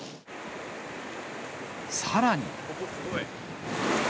さらに。